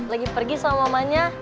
lagi pergi sama mamanya